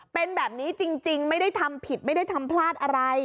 เป็นแบบนี้จริงไม่ได้ทำผิดไม่ได้ทำพลาดอะไร